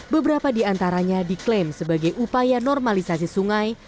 beberapa di antaranya diklaim sebagai upaya normalisasi sungai